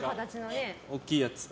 大きいやつ。